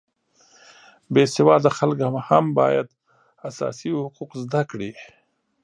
بې سواده خلک هم باید اساسي حقوق زده کړي